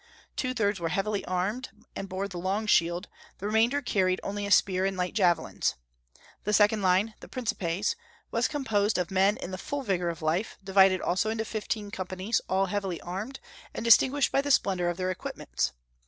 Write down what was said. Two thirds were heavily armed, and bore the long shield; the remainder carried only a spear and light javelins. The second line, the Principes, was composed of men in the full vigor of life, divided also into fifteen companies, all heavily armed, and distinguished by the splendor of their equipments.